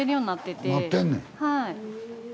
はい。